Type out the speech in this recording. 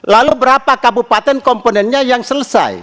lalu berapa kabupaten komponennya yang selesai